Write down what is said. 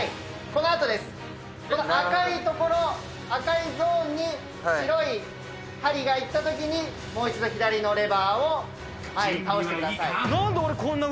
この赤い所赤いゾーンに白い針が行ったときにもう一度左のレバーを前に倒してください。